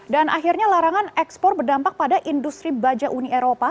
dan akhirnya larangan ekspor berdampak pada industri baja uni eropa